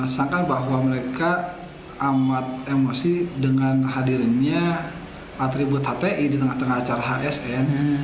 sangka bahwa mereka amat emosi dengan hadirnya atribut hti di tengah tengah acara hsn